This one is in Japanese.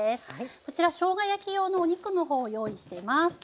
こちらしょうが焼き用のお肉の方を用意しています。